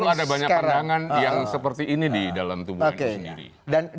perlu ada banyak pandangan yang seperti ini di dalam tubuh nu sendiri